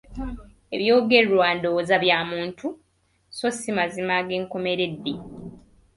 Ebyogerwa ndowooza bya muntu so si mazima ag’enkomeredde.